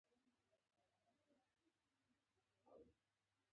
دا ورکه هغسې نه ده چې موندل یې ناممکن وي.